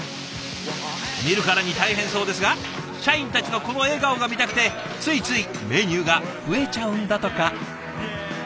見るからに大変そうですが社員たちのこの笑顔が見たくてついついメニューが増えちゃうんだとか。